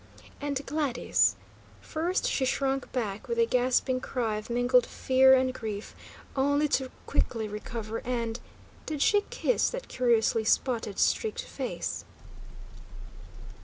And Gladys? First she shrunk back with a gasping cry of mingled fear and grief; only to quickly recover and did she kiss that curiously spotted, streaked face?